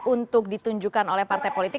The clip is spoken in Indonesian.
untuk ditunjukkan oleh partai politik